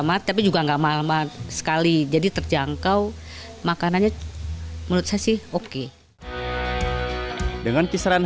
amat tapi juga enggak malam sekali jadi terjangkau makanannya menurut saya sih oke dengan kisaran